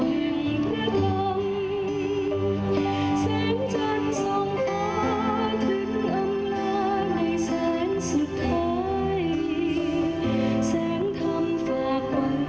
แสงจันทร์ส่องฟ้าถึงอำนาจในแสงสุดท้าย